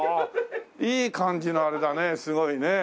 いい感じのあれだねすごいね。